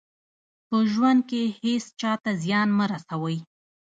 په ژوند کې هېڅ چا ته زیان مه رسوئ.